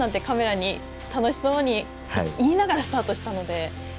カメラに楽しそうに言いながらスタートしたので。